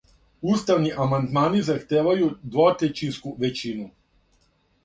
Уставни амандмани захтевају двотрећинску већину.